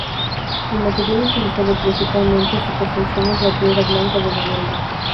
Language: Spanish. El material utilizado principalmente en su construcción es la piedra blanca de Novelda.